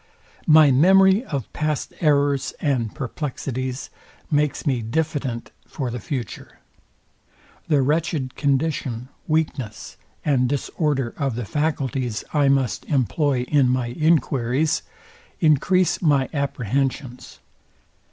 My memory of past errors and perplexities, makes me diffident for the future. The wretched condition, weakness, and disorder of the faculties, I must employ in my enquiries, encrease my apprehensions.